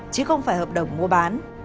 chứ không phải hợp đồng mua bán